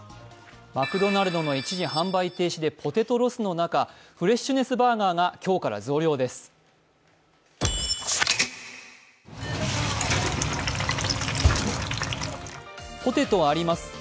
マクドナルドの一時販売停止でポテトロスの中フレッシュネスバーガーが今日から増量です。